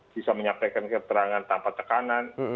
bisa menyampaikan keterangan tanpa tekanan